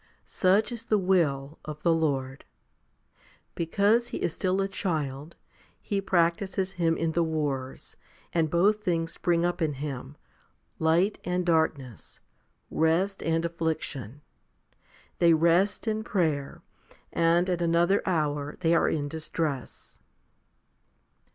Such is the will of the Lord. Because he is still a child, He practises him in the wars ; and both things spring up in him, light and darkness, rest and affliction. They rest in prayer, and at another hour they are in distress.